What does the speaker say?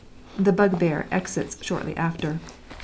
The bug bear exits shortly after.